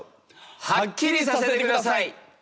はっきりさせてください！